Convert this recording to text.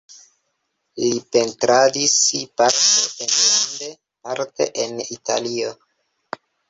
Li pentradis parte enlande, parte en Italio.